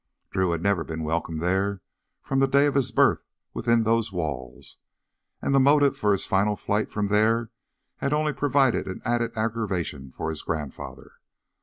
Drew had never been welcome there from the day of his birth within those walls. And the motive for his final flight from there had only provided an added aggravation for his grandfather.